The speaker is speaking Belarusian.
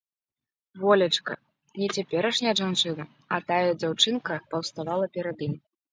Волечка, не цяперашняя жанчына, а тая дзяўчынка паўставала перад ім.